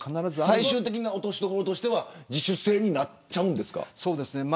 最終的な落としどころは自主性になっちゃうんですか。